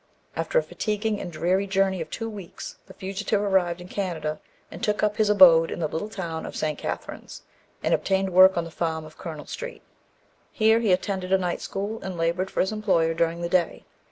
After a fatiguing and dreary journey of two weeks, the fugitive arrived in Canada, and took up his abode in the little town of St. Catherine's, and obtained work on the farm of Colonel Street. Here he attended a night school, and laboured for his employer during the day.